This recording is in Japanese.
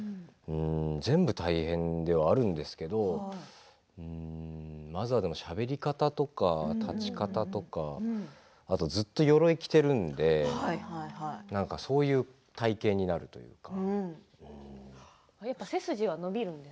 全部大変ではあるんですけれどまずはしゃべり方とか立ち方とか、あとはずっとよろいを着ているのでそういう体型になるというか。